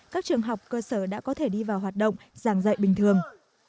các trường học cơ sở đã có thể đi vào hoạt động giảng dạy bình thường